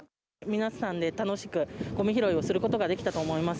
皆さんで楽しくごみ拾いをすることができたと思います。